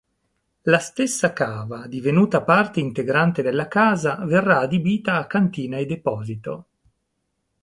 La stessa cava, divenuta parte integrante della casa, verrà adibita a cantina e deposito.